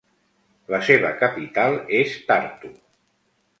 La seva capital és Tartu.